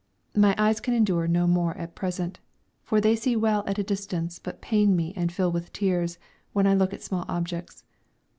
My eyes can endure no more at present, for they see well at a distance, but pain me and fill with tears when I look at small objects.